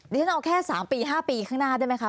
ฉันเอาแค่๓ปี๕ปีข้างหน้าได้ไหมคะ